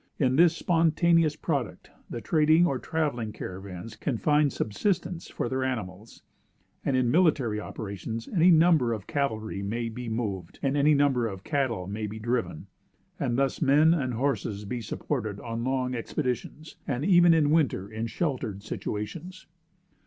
In this spontaneous product, the trading or traveling caravans can find subsistence for their animals; and in military operations any number of cavalry may be moved, and any number of cattle may be driven, and thus men and horses be supported on long expeditions, and even in winter in the sheltered situations.